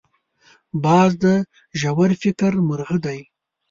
باز د ژور فکر مرغه دی